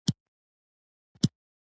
روسیه دې د هند د فتح کولو لپاره ټینګه شي.